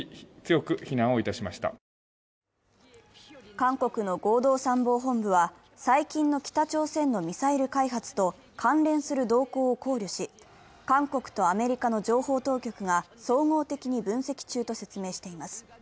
韓国の合同参謀本部は、最近の北朝鮮のミサイル開発と関連する動向を考慮し、韓国とアメリカの情報当局が総合的に分析中と説明しています。